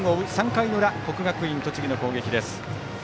３回の裏、国学院栃木の攻撃。